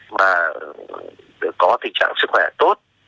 mà có tình trạng sức khỏe tốt